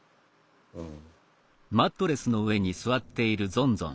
うん。